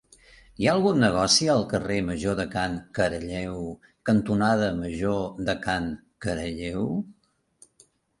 Hi ha algun negoci al carrer Major de Can Caralleu cantonada Major de Can Caralleu?